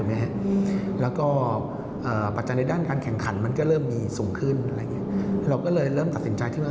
แล้วก็ปัจจัยในด้านการแข่งขันมันก็เริ่มมีสูงขึ้นเราก็เลยเริ่มตัดสินใจ